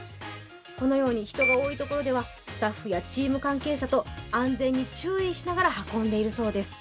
このように人が多いところではスタッフやチーム関係者と安全に注意しながら運んでいるそうです。